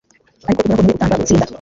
ariko Uhoraho ni we utanga gutsinda